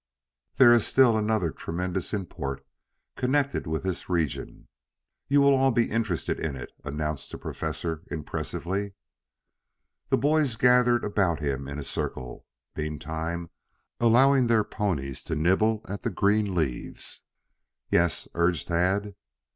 "There is still another of tremendous import connected with this region. You will all be interested in it," announced the Professor impressively. The boys gathered about him in a circle, meantime allowing their ponies to nibble at the green leaves. "Yes," urged Tad.